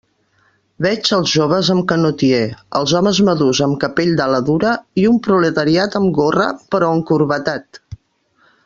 Veig els joves amb canotier, els homes madurs amb capell d'ala dura, i un proletariat amb gorra, però encorbatat.